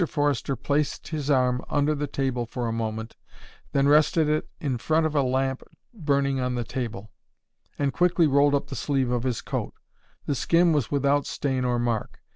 Forster placed his arm under the table for a moment, then rested it in front of a lamp burning on the table, and quickly rolled up the sleeve of his coat. The skin was without stain or mark.